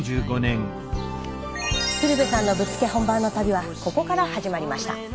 鶴瓶さんのぶっつけ本番の旅はここから始まりました。